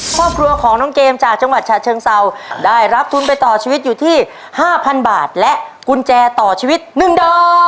ครอบครัวของน้องเกมจากจังหวัดฉะเชิงเซาได้รับทุนไปต่อชีวิตอยู่ที่ห้าพันบาทและกุญแจต่อชีวิต๑ดอก